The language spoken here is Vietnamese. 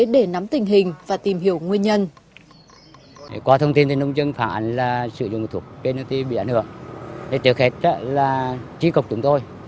để nắm tình hình và tìm hiểu nguyên nhân